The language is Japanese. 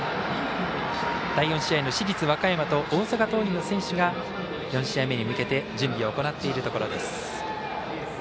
第４試合の市立和歌山と大阪桐蔭の選手が４試合目に向け準備を行っているところです。